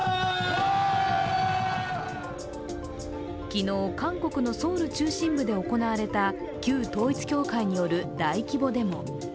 昨日、韓国のソウル中心部で行われた旧統一教会による大規模デモ。